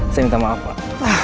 saya minta maaf pak